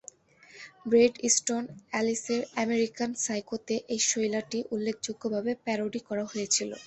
Brett Easton এলিসের "American সাইকো"-তে এই শৈলীটি উল্লেখযোগ্যভাবে প্যারডি করা হয়েছিল।